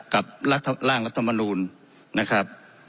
กับร่างรัฐมนูลนะครับ